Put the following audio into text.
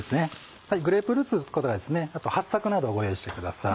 グレープフルーツとかはっさくなどをご用意してください。